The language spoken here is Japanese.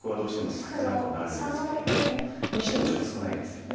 少なくはなるんですけれどもにしてもちょっと少ないですよね。